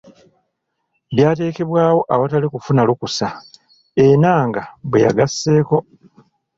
'Byateekebwawo awatali kufuna lukusa.” Ennanga bwe yagasseeko.